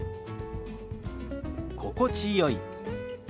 「心地よい」。